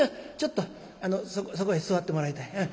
ちょっとそこへ座ってもらいたい。